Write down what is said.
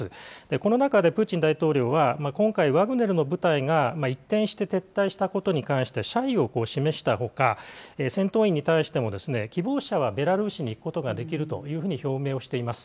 この中でプーチン大統領は、今回、ワグネルの部隊が一転して撤退したことに対して謝意を示したほか、戦闘員に対しても、希望者はベラルーシに行くことができるというふうに表明をしています。